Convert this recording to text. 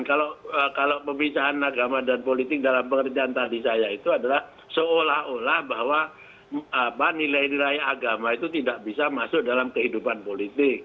kalau pembicaraan agama dan politik dalam pengertian tadi saya itu adalah seolah olah bahwa nilai nilai agama itu tidak bisa masuk dalam kehidupan politik